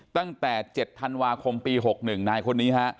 ตั้งแต่๗ธันวาคมปี๖๑นายคนนี้ฮะ